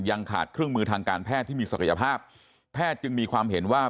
ยังขาดเครื่องมือทางการแพทย์ที่มีศักยภาพแพทย์จึงมีความเห็นว่า